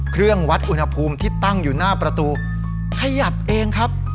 เครื่องวัดอุณหภูมิที่ตั้งอยู่หน้าประตูขยับเองครับ